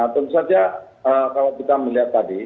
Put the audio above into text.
tentu saja kalau kita melihat tadi